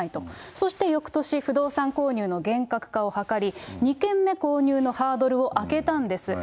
そしてよくとし、不動産購入の厳格化を図り、２軒目購入のハードルを上げたんです。